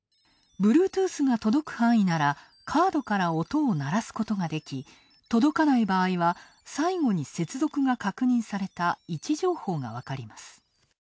ブルートゥースが届く範囲ならカードから音を鳴らすことができ届かない場合は、最後に接続が確認された位置情報が分かります。